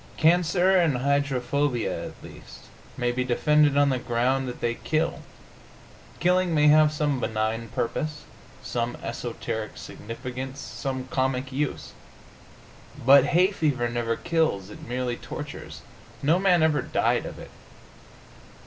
Cancer and hydrophobia, at least, may be defended on the ground that they kill. Killing may have some benign purpose, some esoteric significance, some cosmic use. But hay fever never kills; it merely tortures. No man ever died of it.